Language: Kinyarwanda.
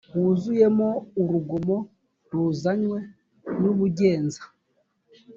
wuzuyemo urugomo ruzanywe n ubugenza